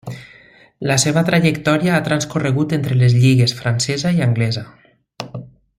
La seva trajectòria ha transcorregut entre les lligues francesa i anglesa.